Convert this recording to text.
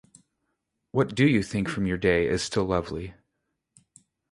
What do you think from your day is still lovely?